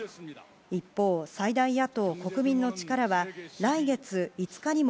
一方、最大野党・国民の力は来月５日にも